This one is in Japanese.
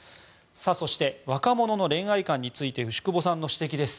そして、若者の恋愛観について牛窪さんの指摘です。